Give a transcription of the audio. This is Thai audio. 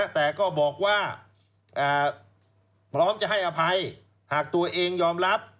แต่ก็บอกว่าพร้อมจะให้อภัยหากตัวเองยอมรับ